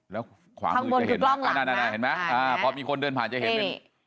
แล้วขวางมือจะเห็นไหมนะพอมีคนเดินผ่านจะเห็นเป็นขวางมือจะเห็นไหมนะพอมีคนเดินผ่านจะเห็นเป็น